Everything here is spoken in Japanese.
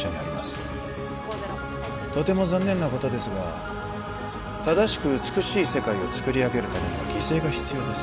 ５−０とても残念なことですが正しく美しい世界を作り上げるためには犠牲が必要です・